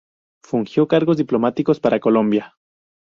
Fungió cargos diplomáticos para Colombia.